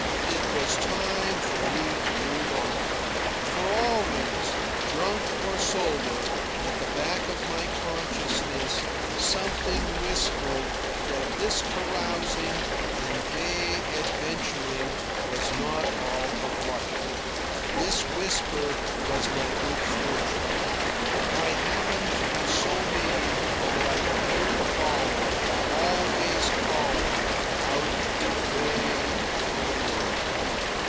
It was time for me to move on. For always, drunk or sober, at the back of my consciousness something whispered that this carousing and bay adventuring was not all of life. This whisper was my good fortune. I happened to be so made that I could hear it calling, always calling, out and away over the world.